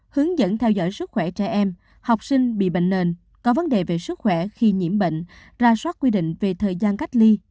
hướng dẫn theo dõi sức khỏe trẻ em học sinh bị bệnh nền có vấn đề về sức khỏe khi nhiễm bệnh ra soát quy định về thời gian cách ly